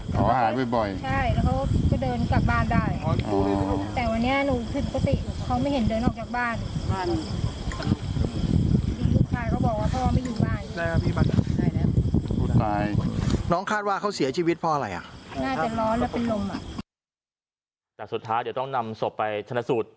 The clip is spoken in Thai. แต่สุดท้ายเดี๋ยวต้องนำศพไปชนะสูตร